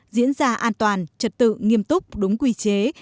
diễn ra an toàn trật tự nghiêm túc đúng quy chế